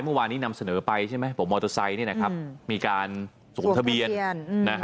เมื่อวานนี้นำเสนอไปใช่ไหมบอกมอเตอร์ไซค์มีการสวมทะเบียน